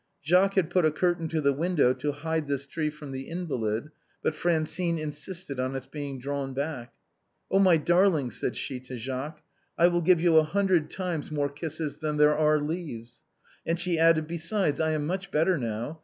Jacques had put a curtain to the window to hide this tree from the invalid, but Fran cine insisted on its being drawn back. " Oh ! my darling," she said to Jacques, " I will give you a hundred times more kisses than there are leaves." And she added, " Besides I am much better now.